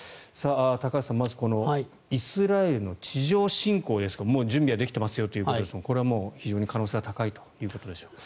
高橋さん、まず、このイスラエルの地上侵攻ですがもう準備はできていますよということですがこれは非常に可能性は高いということでしょうか。